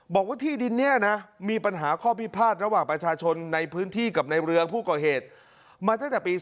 บอกว่าที่ดินนี้นะมีปัญหาข้อพิพาทระหว่างประชาชนในพื้นที่กับในเรือผู้ก่อเหตุมาตั้งแต่ปี๒๕